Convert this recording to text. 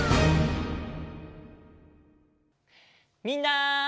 みんな！